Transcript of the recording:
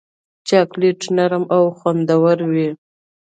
چاکلېټ نرم او خوندور وي.